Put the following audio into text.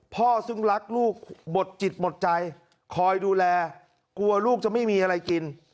พ่อซึ่งรักลูกหมดจิตหมดใจคอยดูแลกลัวลูกจะไม่มีอะไรกิน